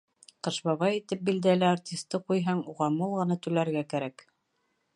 Ҡыш бабай итеп билдәле артисты ҡуйһаң, уға мул ғына түләргә кәрәк.